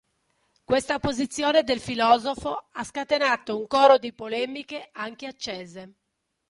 Questa posizione del filosofo ha scatenato un coro di polemiche anche accese.